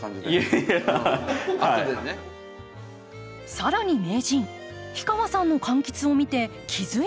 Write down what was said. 更に名人氷川さんの柑橘を見て気付いたことが。